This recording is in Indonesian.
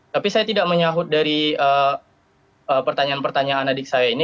tapi saya tidak menyahut dari pertanyaan pertanyaan adik saya ini